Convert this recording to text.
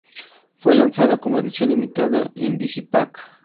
Fue lanzado como edición limitada en digipak.